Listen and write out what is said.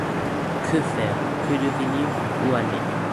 Que faire? que devenir ? où aller ?